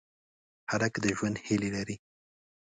هلک د ژوند هیلې لري.